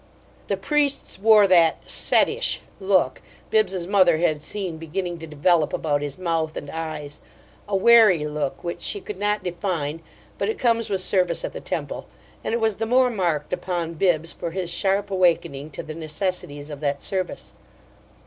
The priests wore that "settish" look Bibbs's mother had seen beginning to develop about his mouth and eyes a wary look which she could not define, but it comes with service at the temple; and it was the more marked upon Bibbs for his sharp awakening to the necessities of that service.